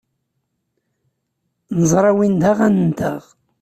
Neẓra win d aɣan-nteɣ.